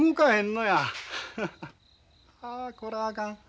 あこらあかん。